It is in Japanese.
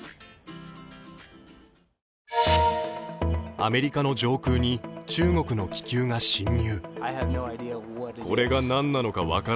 アメリカの上空に中国の気球が侵入。